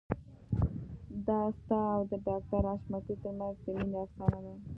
دا ستا او د ډاکټر حشمتي ترمنځ د مينې افسانه ده